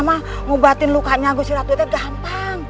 mengubah luka gusti ratu itu gampang